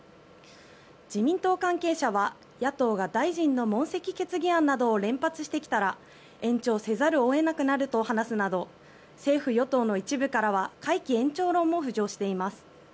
自民党関係者は野党が大臣の問責決議案などを連発してきたら延長せざるを得なくなると話すなど政府・与党の一部からは会期延長論も浮上しています。